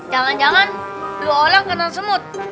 jangan jangan dua orang kena semut